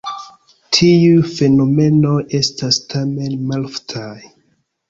Tiuj fenomenoj estas tamen maloftaj.